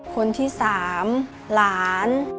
คนที่สามหลาน